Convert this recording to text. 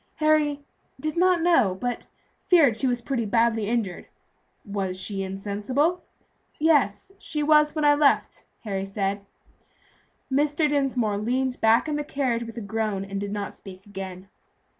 Harry "did not know, but feared she was pretty badly injured." "Was she insensible?" "Yes, she was when I left," Harry said. Mr. Dinsmore leaned back in the carriage with a groan and did not speak again.